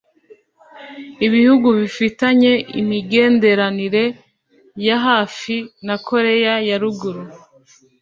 ibihugu bifitanye imigenderanire ya hafi na Koreya ya ruguru